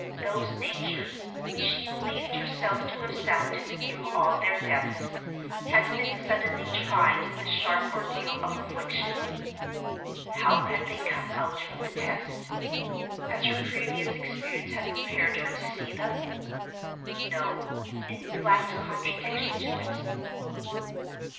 Those natures, which she believed herself to have sounded through all their depths, had been suddenly tried in the sharp ordeal of affliction. How had they come out from the test? As her previous experience had prepared her to see them? No: in flat contradiction to it.